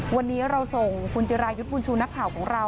วันนี้เราส่งคุณจิรายุทธ์บุญชูนักข่าวของเรา